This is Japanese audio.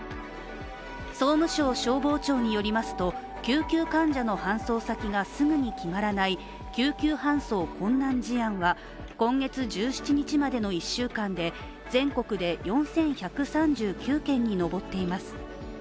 総務省消防庁によりますと救急患者の搬送先がすぐに決まらない救急搬送困難事案は、今月１７日までの１週間で全国で４１３９件に上っています。